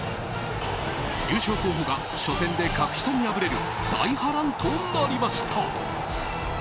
優勝候補が初戦で格下に敗れる大波乱となりました。